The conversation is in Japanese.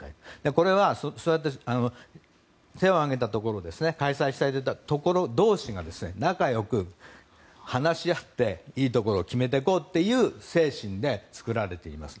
これは手を挙げたところ開催したいというところ同士が仲良く話し合っていいところを決めていこうという精神で作られています。